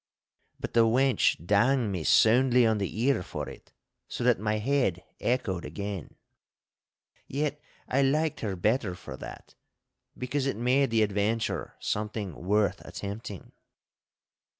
But the wench dang me soundly on the ear for it, so that my head echoed again. Yet I liked her better for that, because it made the adventure something worth attempting.